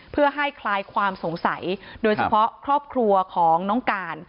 เพื่อให้คลายความสงสัยโดยเฉพาะครอบครัวของน้องการ